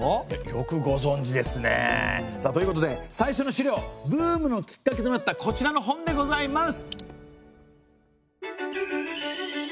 よくご存じですね。ということで最初の資料ブームのきっかけとなったこちらの本でございます。